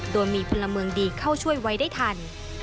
โดยมีพลเมืองดีเข้าช่วยไว้ได้ทัน